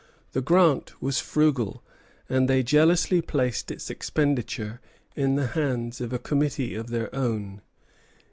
The grant was frugal, and they jealously placed its expenditure in the hands of a committee of their own.